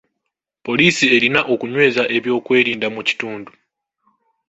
Poliisi erina okunyweza ebyokwerinda mu kitundu.